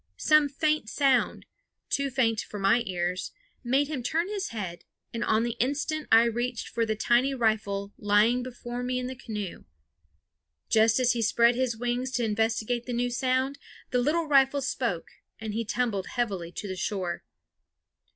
Some faint sound, too faint for my ears, made him turn his head, and on the instant I reached for the tiny rifle lying before me in the canoe. Just as he spread his wings to investigate the new sound, the little rifle spoke, and he tumbled heavily to the shore.